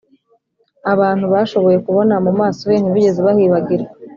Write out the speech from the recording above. abantu bashoboye kubona mu maso he, ntibigeze bahibagirwa